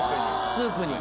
スープに。